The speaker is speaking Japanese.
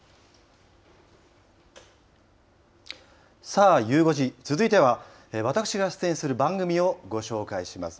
さあ、ゆう５時、続いては、私が出演する番組をご紹介します。